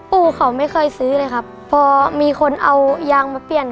ปู่เขาไม่เคยซื้อเลยครับพอมีคนเอายางมาเปลี่ยน